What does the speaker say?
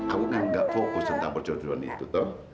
aku kan gak fokus tentang perjalanan itu